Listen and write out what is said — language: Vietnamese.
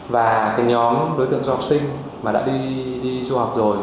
và cái nhóm đối tượng cho học sinh mà đã đi du học rồi